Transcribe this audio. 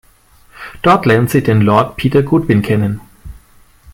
Dort lernt sie den Lord Peter Goodwin kennen.